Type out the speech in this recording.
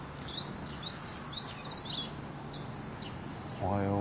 おはよう。